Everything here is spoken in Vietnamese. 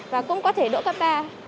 và cũng có thể đỗ cấp ba